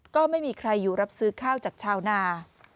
ก็ไม่มีใครอยู่รับซื้อข้าวจากชาวนา